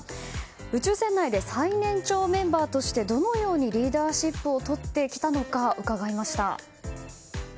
宇宙船内で最年長メンバーとしてどのようにリーダーシップをとってきたのか伺いました。